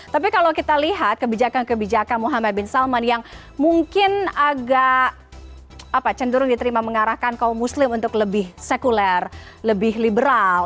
tapi kalau kita lihat kebijakan kebijakan muhammad bin salman yang mungkin agak cenderung diterima mengarahkan kaum muslim untuk lebih sekuler lebih liberal